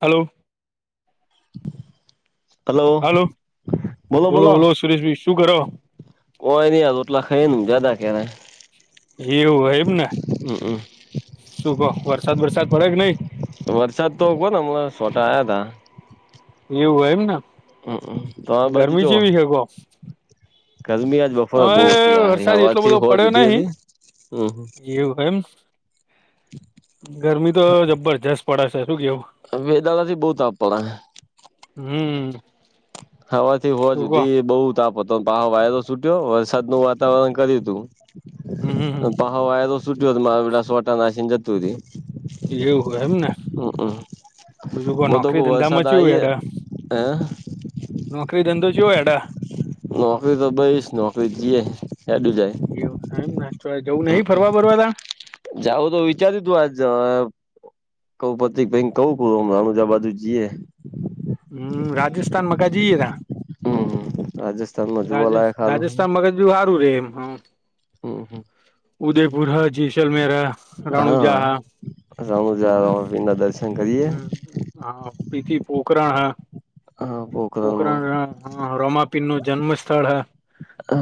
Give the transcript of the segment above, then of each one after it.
Hello, [unintelligible] hello hello બોલો બોલો સુરેશભાઈ શું કરો કોઈ [unintelligible] [unintelligible] એનું જદ કહેવાય. એવું હોય એમને હમ શું કહ વરસાદ વરસાદ પડે કે નઈ? વરસાદ તો કોહને હમણાં સોટા આવયા તા. એવું હોય એમને હમ તમારી બાજુ ગરમી ચેવો ચેવી હ કો? ગરમી આજ બપોરે બહુ હવે હતી યાર વર્ષાદ એટલો બધો હવારથી હોજ પડ્યો હુધી નહી. હતી હમ એવું એમ ગરમી તો જબરજસ્ત પડે છે. શું કેવું વેદાળા થી બવ તાપ પડે હે હમ્મ, હવાથી હોવા જુધી બઉ તાપ હ પા વાયરો છૂટ્યો વરસાદ નું વાતાવરણ કર્યું હમ હમ હમ. તું પહાવા એ તો સુટ્યો હતો, મારાલા સોટા નાશીને જતુ રહીયુ. એવું એમને હમ બીજું કોઈ હું તો કઉ નોકરી વરસાદ ધંધામા ચેવું આઈએ એટ? હે નોકરી ધંધો ચેવો હેડે. નોકરી તો બઈશ નોકરી જઈએ હેડું જાય એવું એમને જવું નહીં ફરવા બરવા તાણ જાઉં તો વિચાર્યું તું આજ કઉ પતિકભાઈ કવું, હમણાં અમદાવાદ બાજુ જીયે. હુ રાજસ્થાનમાં કા જઈએ ગા રાજસ્થાનમાં રાજ જોવાલાયક હારું હે રાજસ્થાન મગજ બ સારું રે એમ હું. હમ હમ ઉદયપુર હા જેસલમેર હે, રણુજા હે. રણુજા, રામાપીરના દર્શન કરીએ હું હા પ્રીતિ પોખરા હે. હા પોખરણમાં પોખરાણ રામાપીર નું જન્મ સ્થળ હ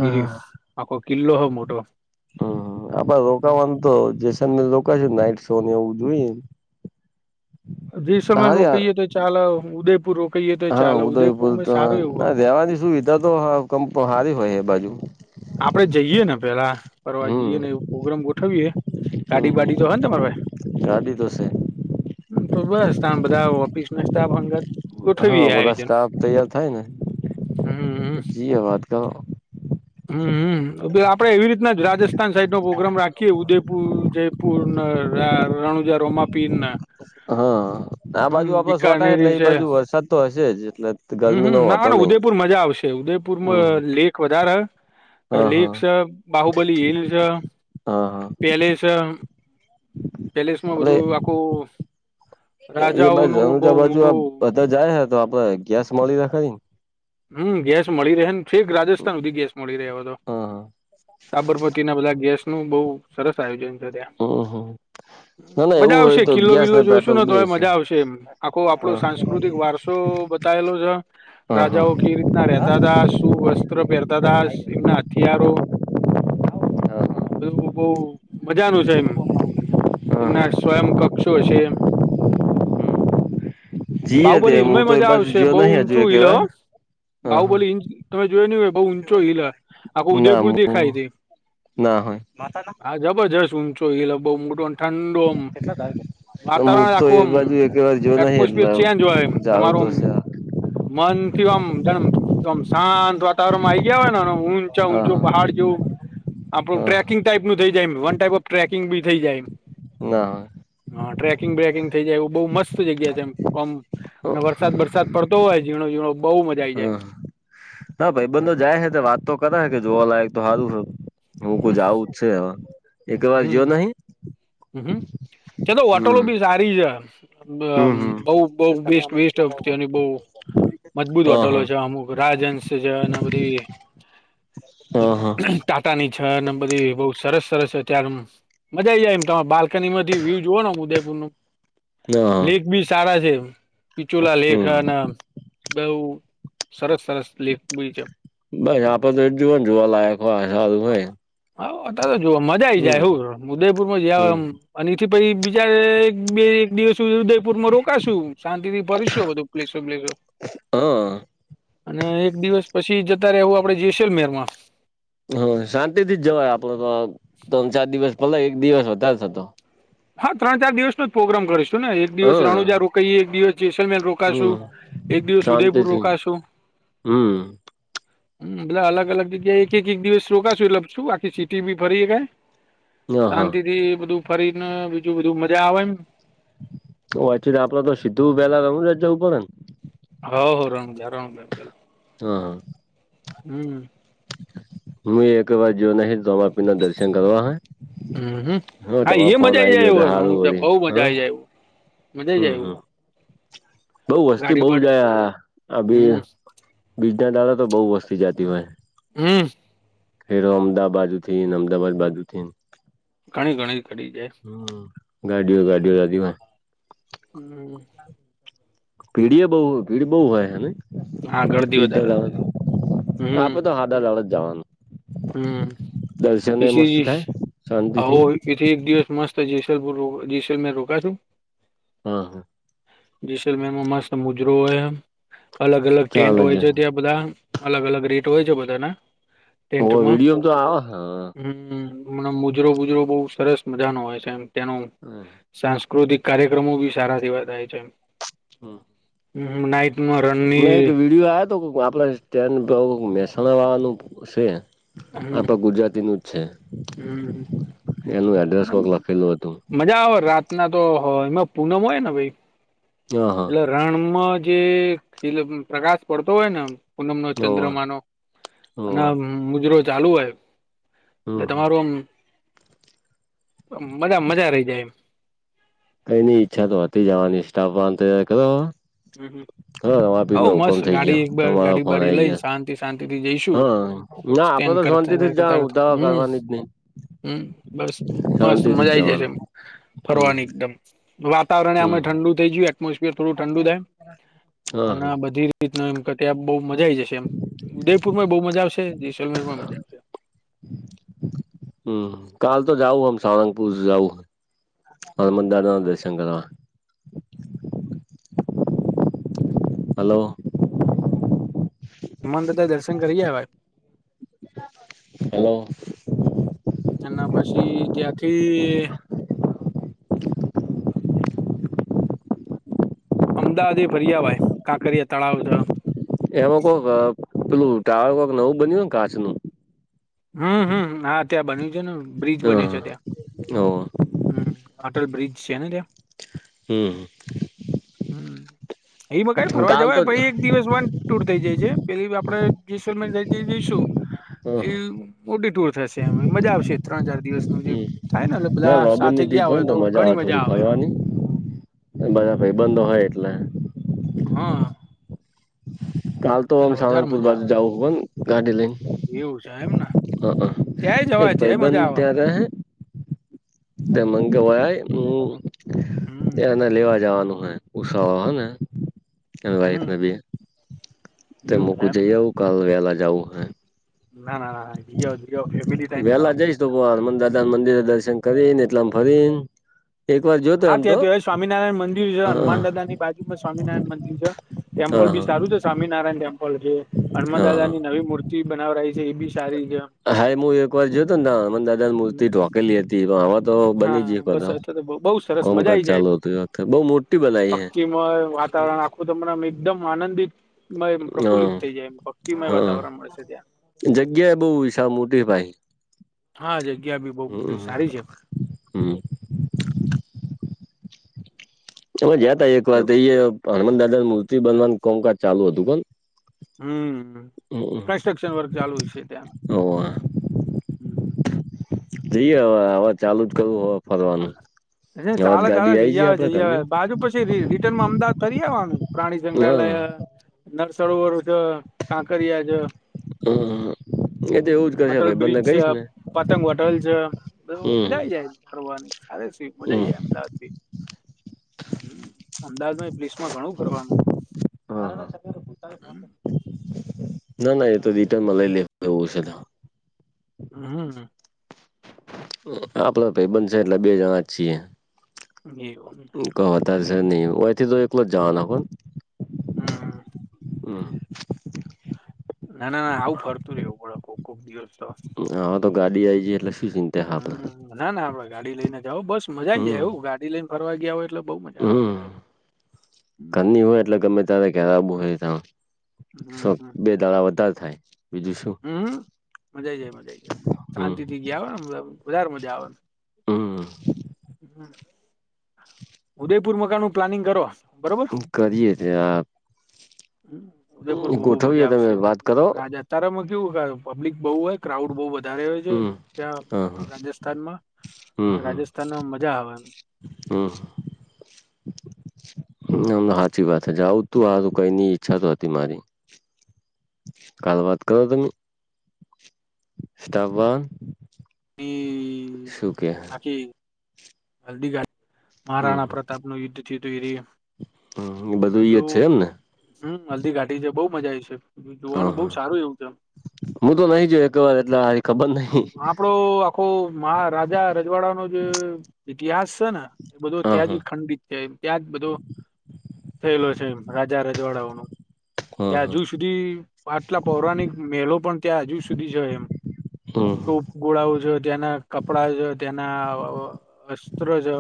એરીસ આખો કિલ્લો હ મોટો હું આપે રોકાવાનું તો જેસે લોકો નાઈટ શો ને એવું જોઈએ. જયસ્વામ હારી રોકીએ તો ચાલ ઉદયપુર રોક હા ઉદયપુર તો ના એમ રેહવાની સુવિધા તો સારી હોય એ બાજુ આપડે જઈએ ને પેલા ફરવા હમ જઈએ ને એ પ્રોગ્રામ ગોઠવીએ. ગાડી બાડી તો હમ હે ને તમાર પાસે? ગાડી તો છે તો બસ તમે બધા ઓફિસ ના સ્ટાફ અંગર હા બધા સ્ટાફ તૈયાર થાય ને હમ જીએ વાત કરો. [unintelligible] આપડે એવી રીતના જ રાજસ્થાન સાઈડ નો પ્રોગ્રામ રાખીએે ઉદયપુર જયપુર ને રણુંજા રોમાપીરના હા આ બાજુ આપડો સોટા એટલે બીકાનેરી એ છે બાજુ વરસાદ તો હશે જ એટલે હમ્મ ગરમી ન હમ્મ હોતા. ના ઉદયપુર મજા આવશે ઉદયપુર લેખ વધારે હે. હા હા લીફ છે, બાહુબલી હીલ છે. હા હા પેલેસ પેલેસમાં એટલે બધું આખું એ બાજુ રાજાઓનું બહુ રણુજા બાજુ મોટું બધા જાય હે તો આપડે ગેસ મળી રાખલ. હું ગેસ મળી રહે ને ઠીક રાજસ્થાન સુધી ગેસ મળી રહ્યો હવ તો, હા સાબરમતી ના બધા ગેસ નું બહું સરસ આયોજન છે, ત્યાં હમ હમ ના ના મજા એવું હોય આવશે તો કિલ્લો ગેસ વિલ્લો જોઈશું પેટ્રોલ ને તો બે છે મજા આવશે એમ આખો આપડો હા સાંસ્કૃતિક વારસો બતાયેલો છે, હા રાજા હા ઓકી રીતના રેતા હતા, શું વસ્ત્ર પહેરતા હતા, સીગના હથિયારો હા બધું બહુ મજાનું છે, એમ હા એમના સ્વયં કક્ષ પક્ષો વિશે જીએ તે બાહુબલી હું હિલમાંય તો એ મજા બાજુ આવશે, ગયો બઉ નહી હજુ એક ઊંચું હિલ હો. વાર હા હા બાહુબલી તમે જોયયો ન હો બઉ ઊંચો હિલ આખો ના ઉદયપુર હું દેખાય ઇતી. [unintelligible] [unintelligible] [inaudible] ઊંમચો હિલ હ ન બહુ મોડોને લા હું તો આખું એ આમ બાજુ એક વાર જોયો નહિ એટમોસ્ફિયર એટલે જાવું દસાક મન થી આમ આમ શાંત વાતાવરણ માં આઈ ગયા હોય ને ઊંચા હા ઊંચો પહાડ જેવું આપણું હા ટ્રેકિંગ ટાઈપ નું થઈ. વન ટાઈપ ઓફ ટ્રેકિંગ બી થઈ જાય એમ. ના હ ટ્રેકિંગ બ્રેકિંગ થઇ જાય, એવું બહુ મસ્ત જગ્યા તેમ કોમ અને વરસાદ બરસાદ પડતો હોય ઝીણો ઝીણો બહુ મજા આવી જાય. હા ના ભાઈ બંધ જાય છે વાત તો કરે જોવા લયક તો સારુંહ હું કો હમ જઉું જ છે એક વાર જયો નહી? હુહુ ચલો ઓટલો હમ બી સારી હ હમ હમ બહ બહુ બહુ બેસ્ટ વેસ્ટ [inaudible] મજબૂત હા હોટલો હા છે અમુક રાજહંસ છે અને બધી હા હા ટાટા ની છે અને બધી બહ સરસ સરસ છે ત્યારે મજા આઈ જાય મારી બાલ્કનીમાંથી વ્યુ જોવોનુ ઉદયપુર નું હા હા લેક બી સારા છે. પિચુલા લેખ હમ અને બઉુ સરસ. સરસ લેખ બી છે. બસ આપડ તો એ જો જોવા લાયક હોય. હા [unintelligible] જો મજા આઈ જાય હમ હું ઉદયપુર માં હમ જયામ અને પછ બીચાર [inaudible] ઉદયપુર માં રોકાશું શાંતિ થી ફરશું બધું પ્લેસો પલેસો. હા અને એક દિવસ પછી જતા રહેવું આપડે જેસલમેર માં. હ શાંતિ થી જ જવાય આપડો તો ત્રણ ચાર દિવસ ભલે એક દિવસ વધારે જતો. હા ત્રણ ચાર દિવસનો જ પ્રોગ્રામ કરીશું ને એક દિવસ હા રણુજા રોકાઈએ એક દિવસ જેસલમેલ હમ રોકાશું એક દિવસ ઉદયપુર શાંતિથી રોકાશું. હમ હમ બટલે અલગ અલગ જગ્યાએ એક એક એક દિવસ રોકાશું એટલે છું આખી સીટી બી ભરીને હા હા શાંતિ થી બધું ફરીને બીજું બધું મજા આવે એમ. ઓ વાચી આપલા તો સિ્ધુ બેલા [unintelligible] જઉ પડ ને. હ હો [inaudible] હા હમ હું એક વાર જયો નહી [inaudible] રોમાપીરના દર્શન કરવાહ હમ હ એ મજા આઈ ગયો જાય તો સારું [inaudible] વળી બહું મજા હા આઈ જાય. મજાય આઇય હમ આઇ હમ બઉ વસ્તી બહું [inaudible] ત્યાં હમ ડાળા તો બહુ વસ્તી જાતી હોય. હા ફેરો અમદા બાજુથી ને અમદાવાાદ બાજુ થઈ ને. ઘણી ઘણી. કરી જાય હ ગાડીઓ ગાડીઓ [inaudible] હો હમ પીઢી એ બહુ ભીડ બહુ હોય હને. હા ગળદી વધારે હોય ત્યારે. [inaudible] હમ આપે તો હાદા [inaudible] જ જવાનું હમ દર્શન એ મસ્ત પસી થાય આવો શાંતિથી એથી એક દિવસ મસ્ત. જયસલપુર જયસમેર રોકાશું હા જસેલમેનમાં મસ્ત મુજરો હોય અલગ અલગ ટેન્ટ હોય છે ત્યાં બધા. અલગ અલગ રેટ હોય છે બધાના ઓ ટેન્ટમાં વિડીયો તો આવહને. મ મુજરો બુજરો બહુ સરસ મજાનો હોય છે એમ તેનો સાંસ્ કૃતિક કાર્યક્રમો બી સારા જેવા થાય છે. હમ હ નાઈ [inaudible] એક વીડિયો આ તો આપડે સ્ટેન્ડ બઉ મહેસાણા વાળાનું છે હમ આપડા ગુજરાતીનું જ. છે એનું એડ્રેસ હમ કોક લખેલું હતું મજા આવે રાતના તો હ એમાં પૂનમ હોય ને ભાઈ હ હા એટલે રણમાં જે [inaudible] પ્રકાશ પડતો હોય ને પૂનમ નો હોવે ચંદ્રમાનો અને હોવે મુજરો ચાલુ હોય. એટલે હમ હમ તમારું આમ મજા મજા રહી જાય. એમ કઈની ઈચ્છા તો હતી જવાની સ્ટાફ વાંધ કરો. હમ હ હાપી નો હુકમ મસ્ત થઈ ગાડી ગયો એક તમારો ગાડી ફોન બાડી આઈ લઈને ગયા શાંતિ શાંતિ થી જઈશું હા ના આપડે સ્ટેન્ડ તો શાંતિ કરતા થી જ જા કરતા ઉધ હમ કરવાની જ નહી. હમ બસ મસ્ત શાંતિથી મજા જ આઈ જશે જવાનું એ હમ ફરવાની એકદમ વાતાવરણ અમે હમ ઠંડુ થઈ ગયું એટમોસફિયર થોડું ઠંડુ થાય. હા અને હા બધી એમ ત્યા બ મજાઈ જશે એમ ઉદયપુર માં બહુ મજા આવશે જસલમેર માં મજા આવશે. હમ કાલ તો જઉં આમ સાળંગપુર જવું. હનુમાન દાદા ના દર્શન કરવા હલો હનુમાન, દાદા દર્શન કરી આવે હલો! એના પછી ત્યાંથી અમદાવાદ, એ ફર્યા ભાઈ કાંકરિયા તળાવ એમાં કોક પેલું ટાવર કક નવુ, બન્યું ને કાચ નુ હમ, હમ હા, ત્યાં બન્યુ છેને બ્રિજ બન્યો છે ત્યાં હ ઓ હ અટલ બ્રિજ છે ને ત્યાં હમ. એ મ કઈ ફરવા કાલ જવાય તો પછ એક દિવસ વાન ટૂર થઇ જાય છે. પેલી આપડે જઈશું હ એ મોટી ટુર થશે એ મજા આવશે ત્રણ ચાર દિવસનું જે હમ થાય ને એટલે ના બધા સાથે લોબેનની ટ્રીપ ગયા હોય ને તો ઘણી મજા થોડી આવે. ફરવાની બધા ભાઈ બંધ હોય એટલે હા કાલ તો એટલે વધારે સહારંગપુર મજા બાજ આવે જાવું પણ ગાડી લઈન એવું છે એમ ને હ, ત્યાંય એક જવાય ત્યાંય ભાઈબંધ મજા આવે ત્યા્યારે હૈ તે મંગ હોય, હ હમ એને લેવા જવાનું ઉસા હ, ને હમ વફ બી તે એવું છે મકું એમ જઈ આવુ, કાલ વેલા જવુ, હ ના, ના, ના જી, જ ફેમ ટમ એલા મંદિરે, દર્શન કરીને એટલા ફરી હા, ત્યાં થ સ્વામિનારાયણ મંદિર છે, હા હા હનુમાન દાદા ની બાજુમાં સ્વામિનારાયણ મંદિર છે. ટેમ્પલ બી હા સારું છે, સ્વામિનારાયણ ટેમ્પલ છે, હનુમાન દાદા હા ની નવી મૂર્તિ બનાવવા રય છે. એ બી સારી છે હાાઈ, હુ એક વાર જોતો ને હનુમાન દાદા ની મૂર્તિ હમ, ઢોકેલી હતી પણ હવા તો બની જ હા બસ હતો અ તો બહુ, સરસ બ મજાઈ જાય, મોટી બનાવી હે પકી વાતાવરણ આખું તમને એકદમ આનંદ મ પ્રફુલ્લિત હા થઈ જાય, એમ ભક્તિમય વાતાવરણ હા મળશે. ત્યા જગ્યા એ બહુ, વિશાળ મોટી ભાઈ હા, જગ્યા બી બહ મોટી હમ સારી છે. હમ એમે ગયા, તા એક વાર એ હનુમાન દાદાની મૂર્તિ બનવાનું કોમકાજ ચાલુ હતું. કેને હમ કન્સ્ટ્રક્શન વર્ક ચાલુ છે, ત્યાં હોવે હ જઈએ, હવે હવે ચાલુ જ કરવું હવે ફરવાનું. હવે તો ચાલે ચાલે ગાડી આઈ જઈ, આવે આપડે જઈ આવે ઘરની બાજુ પછી રિટર્નમાં અમદાવાદ ફ કરી આવવાનું પ્રાણી સંગ્રહાલય, હા નરસરોવર છે, કાંકરિયા છ એ હ, તો એવું જ કરશે અટલ ભાઈ બ્રિજ બંને છે, કહીશ ને પતંગ હોટલ છે, બધ હમ મજા આવી જાય ફરવાની અરે શ હમ મજાઈ જ અમદાવાદ ભી હમ, અમદાવાદમા પલીસમાં ઘણું ફરવાનું હા હા હમ ના ના એ તો રિટર્ન મા લઇ લે હુ, એવુ પણ હશે તો હમ આપડ ભાઈબંધ છે, એટલે બે જણા જ છીએ એવ દ ન દલોત જાન, આપુ હમ હ હ ના ના ના આવું ફરતું રહેવું બરાબર કોક દિવસ તો હા તો ગાડી હતી યે ના ના આપડે ગાડી લઈને જાઓ બસ મજા આવી જાય હમ એવું ગાડી લઈને ફરવા ગયા હો એટલે બહુ મજા આવે હમ ત્યારે હમ ઘરની હોય એટલે ગમે તારે હમ ઘરા હોય ત્યારે હમ શોખ હમ બે દાડા વધારે થાય દૂશો [inaudible] હમ મજા આવી જાય મજાઈ જાય શાંતિ થી ગયા આવે ને વધારે મજા આવેને હમ ઉદયપુર મકાન નું પ્લાનિંગ કરો બરોબર કરીએ છે આપ ઉદયપુર બહુ, મજા તમે આવશે એ વાત કરો રાજા એમાં કેવું હોય કે પબ્લિક બહ હોય ક્રાઉડ બવ વધારે હોય છે, હમ તયા હા હા રાજસ્થાનમા હમ રાજસ્થાનમા, મજા આવે હા મને સાચી વાત છે, જાઉં તું હારૂ કઈની ઈચ્છા તો હતી, મારી ગાલ વાત કરો, તમે સ્ટાફ બા હમ શુંકે હલ્દીઘાટ હમ મહારાણા પ્રતાપનું યુદ્ધથી થઈ, રહયુ હમ એ બધું ઈ જ છે એમને ધ હમ હલ્ધદી ઘાટી છે, બહ મજા આવી છે. હા જોવાનું બહુ હા સારું એવું છેમ હું તો નહી જોયો એક વાર એટલે હારી ખબર નહિ આપડો આખો મહારાજા રજવાડા ન જે ઇતિહાસ છે ને એ બધો હા ત્યાં હા જ ખંડિત છે ત્યાં જ બધો થયેલો છે રાજા રજવાડાઓ ન હા ત્યાં હા હજુ સુધી આટલા પૌરાણિક મહેલો પણ ત્યાં હજુ સુધી છે એમ હમ ટૂપ ગોળાઓ જો ત્યાંના કપડા છે તેના અસ્ત્ર જો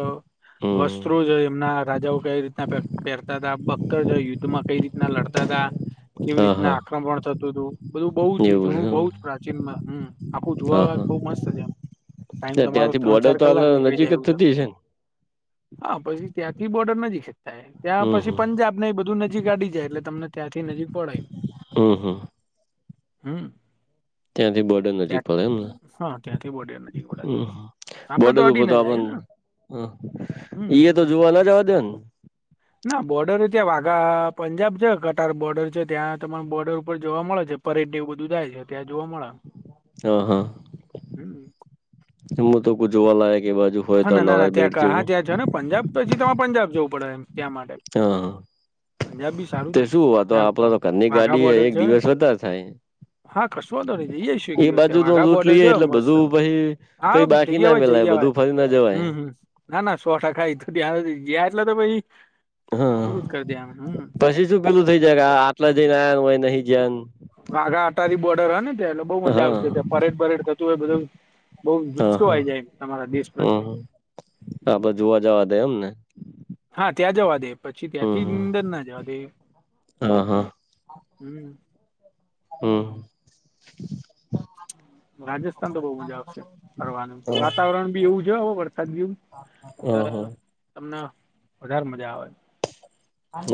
હમ વસ્ત્રો જો એમના રાજાઓ કઈ રીતના પહેરતા હતા ભક્તર યુદ્ધમાં કઈ રીતના લડતા હતા કેવી હા રીતના હા આક્રમણ થતું હતું બધું બઉ જ એવું છે જૂનું એમ બહ જ ને? પ્રાચીન હમ આખું હા જોવા હા બહુ મસ્ત છે એમ ટાઈમ તમારો ત્યાંથી ત્રણ બોર્ડર ચાર તો આપડે કલાક નીકળી નજીક જ જાયું છે થતી હશે ને હા પછી ત્યાં બોર્ડર નજીક ખચતા ત્યાં હમ પછી હમ પંજાબ ને એ બધું નજીકાડી જાય એટલે તમને ત્યાંથી નજીક પડાય હમ હમ હમ ત્યાંથી બર્ડર નજીક ત્યાં પડે એમને હા ત્યાંથી બોર્ડર નજીક પડે હમ આપડે બોર્ડર ઉપર અડીને તો જ આપ હ આયુ ને ઈ તો હમ જોવા ના દે ને ના બોર્ડર ત્યાં વાઘા પંજાબ છે કટાર બોર્ડર છે ત્યાં તમાર બોર્ડર ઉપર જોવા મળે છે પરેડ એવું બધું જાય છે ત્યા જો [inaudible] હા હા હમ કો જોવા લાયક હા ના ના ના ત્યાં હા ત્યાં જ ને પંજાબ પછી તમારે પંજાબ જવું પડે એમ ત્યાં માટે હા હા પંજાબ બી સારું તે છે. શું આ તો ત્યાં આપડે તો ઘરની વાઘા ગાડી હે બોર્ડર એક છે. દિવસ વધારે થાય. હા કસવાતો નહી જઈ આવીશું એક એ દિવસ બાજુ ત્યાં તો વાઘા લૂટ બોર્ડર લઈએ જ એટલે મસ્તમ બધું પછી હા કઈ બાકી ના જઈવાય મેલાય જઈવાય. બધું ફરી ના જવાય. હમ્મ હમ્મ ના ના સો ટકા એ તો [unintelligible] એટલે તો ભાઈ હા પછી શું પેલું થઇ જકે આટલા જઈને આયા હોય નહી જયાન વાઘા અટારી બોર્ડર હો ને ત્યા એટલે બઉુ મજા હા આવશે ત્યાં પરેડ પરેડ થતું હોય બધું. બહુ હા જુસ્સો હા આય જાય તમારા દેશ પ્રત્યે. હમ આપડે જોવા જવા દે એમને હા ત્યાં જવા દે પછી હમ ત્યાંથી હમ અંદર ના જવા દે હા હમ્મ હમ્મ. [inaudible] રાજસ્થાન તો બહુ મજા આવશે ફરવાનું વાતાવરણ બી એવું છે વરસાદ જેવું. હ હ તમને વધારે મજા આવે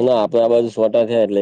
ના આપડા બાજુ સોટા થયા એટલે